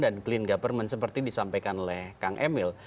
dan clean government seperti disampaikan oleh kang emil